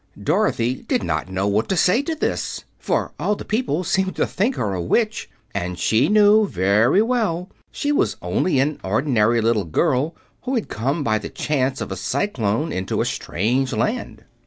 Dorothy did not know what to say to this, for all the people seemed to think her a witch, and she knew very well she was only an ordinary little girl who had come by the chance of a cyclone into a strange land.